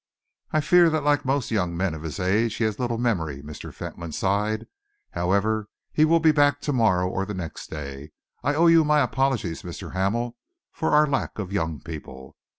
"I fear that like most young men of his age he has little memory," Mr. Fentolin sighed. "However, he will be back to morrow or the next day. I owe you my apologies, Mr. Hamel, for our lack of young people.